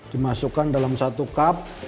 dimasukkan dalam satu kap